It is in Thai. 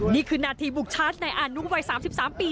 นี่คือนาธิบุคชาติในอานุวัย๓๓ปี